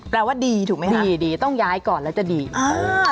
ว่าดีถูกไหมคะดีดีต้องย้ายก่อนแล้วจะดีมาก